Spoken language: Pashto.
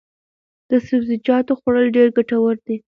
د سبزیجاتو خوړل ډېر ګټور دي.